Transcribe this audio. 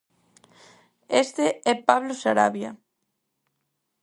Este é Pablo Sarabia.